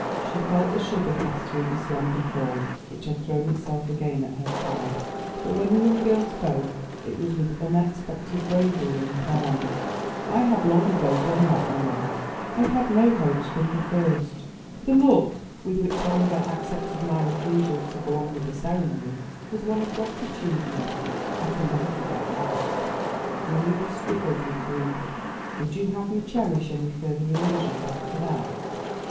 She felt the shudder pass through the slender form which had thrown itself again at her side; but when the young girl spoke it was with unexpected bravery and calm. "I have long ago done that, mamma. I've had no hopes from the first. The look with which Oliver accepted my refusal to go on with the ceremony was one of gratitude, mother. I can never forget that. Relief struggled with grief. Would you have me cherish any further illusions after that?"